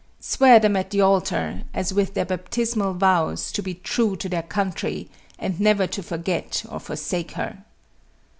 Swear them at the altar, as with their baptismal vows, to be true to their country, and never to forget or forsake her.